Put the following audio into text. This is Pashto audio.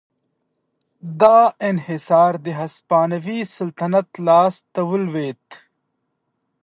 دا انحصار د هسپانوي سلطنت لاس ته ولوېد.